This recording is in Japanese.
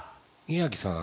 宮城さん